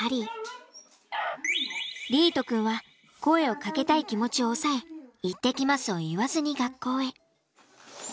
莉絃くんは声をかけたい気持ちを抑え行ってきますを言わずに学校へ。